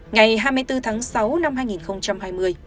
ngày hai mươi bốn tháng sáu năm hai nghìn hai mươi